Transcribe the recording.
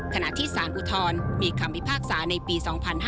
ขณะที่สารอุทธรณ์มีคำพิพากษาในปี๒๕๕๙